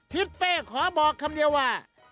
ทิศเป้ขอบอกคำเดียวว่า